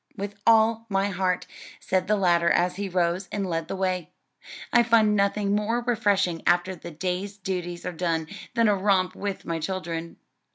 "With all my heart," said the latter as he rose and led the way, "I find nothing more refreshing after the day's duties are done, than a romp with my children."